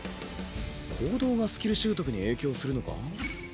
行動がスキル習得に影響するのか？